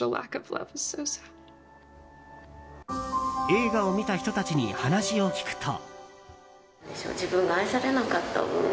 映画を見た人たちに話を聞くと。